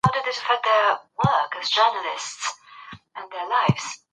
زما ملګری د حبوباتو د واردولو په یوه لویه سوداګریزه کمپنۍ کې دی.